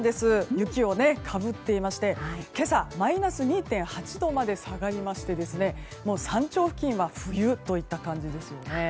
雪をかぶっていまして今朝、マイナス２．８度まで下がりまして山頂付近は冬といった感じです。